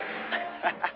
「ハハハ」